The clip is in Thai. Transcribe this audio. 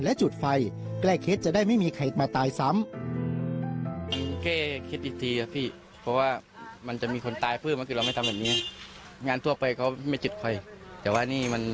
และจุดไฟใกล้เคล็ดจะได้ไม่มีใครมาตายซ้ำ